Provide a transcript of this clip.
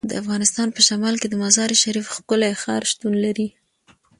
د افغانستان په شمال کې د مزارشریف ښکلی ښار شتون لري.